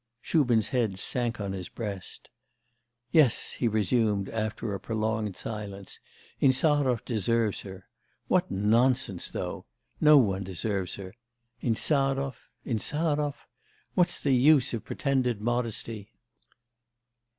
Shubin's head sank on to his breast. 'Yes,' he resumed, after a prolonged silence, 'Insarov deserves her. What nonsense, though! No one deserves her... Insarov... Insarov ... What's the use of pretended modesty?